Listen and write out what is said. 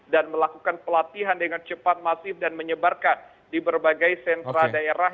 dan melakukan pelatihan dengan cepat masif dan menyebarkan di berbagai sentra daerah